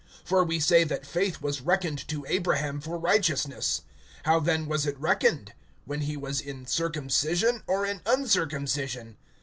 For we say that faith was reckoned to Abraham for righteousness. (10)How then was it reckoned? When he was in circumcision, or in uncircumcision?